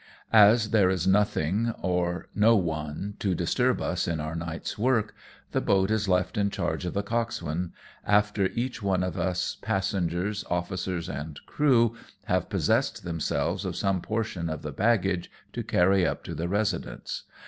As there is nothing or no one to disturb us in our night's work, the boat is left in charge of the coxswain, after each one of us, passengers, officers and crewj have possessed ourselves of some portion of the baggage to carry up to the residence.